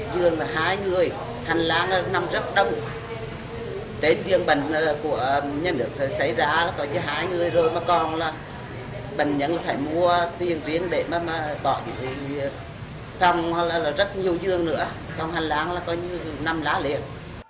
dương và hai người hành lang nằm rất đông đến dương bệnh của nhân lực xảy ra là có hai người rồi mà còn là bệnh nhân phải mua tiền riêng để mà còn thì phòng là rất nhiều dương nữa còn hành lang là có như năm lá liệt